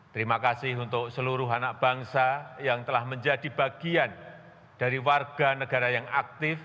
terima kasih untuk seluruh anak bangsa yang telah menjadi bagian dari warga negara yang aktif